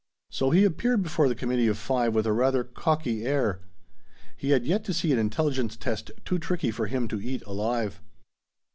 So he appeared before the Committee of Five with a rather cocky air. He had yet to see an intelligence test too tricky for him to eat alive.